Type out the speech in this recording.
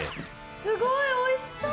すごいおいしそう！